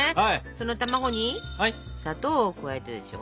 その卵に砂糖を加えるでしょ。